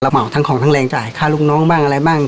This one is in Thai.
เหมาทั้งของทั้งแรงจ่ายค่าลูกน้องบ้างอะไรบ้าง